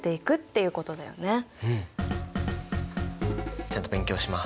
うん！ちゃんと勉強します。